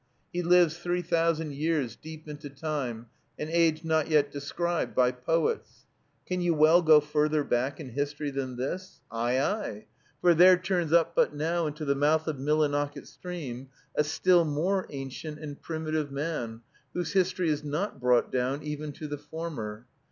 He lives three thousand years deep into time, an age not yet described by poets. Can you well go further back in history than this? Ay! ay! for there turns up but now into the mouth of Millinocket Stream a still more ancient and primitive man, whose history is not brought down even to the former.